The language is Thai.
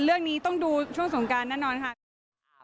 เรื่องนี้ต้องดูช่วงสงการแน่นอนค่ะ